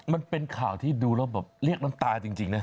มันเป็นข่าวที่ดูแล้วแบบเรียกน้ำตาจริงนะ